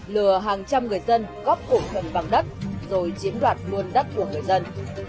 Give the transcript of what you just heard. lừa hàng trăm người dân góp cổ thần bằng đất rồi chiếm đoạt nguồn đất của người dân